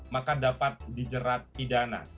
maka dapat dijerat pidana